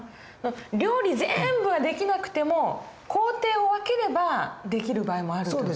料理全部はできなくても工程を分ければできる場合もある。